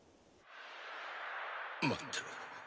待ってろ。